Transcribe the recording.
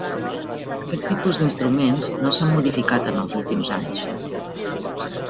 Aquest tipus d'instruments no s'han modificat en els últims anys.